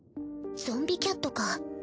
ゾンビキャットか。